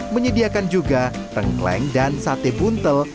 menyediakan juga rengkleng dan sate buntel